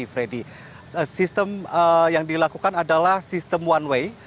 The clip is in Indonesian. freddy sistem yang dilakukan adalah sistem one way